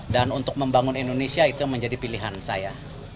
dan untuk membangun indonesia itu menjadi pilihan saya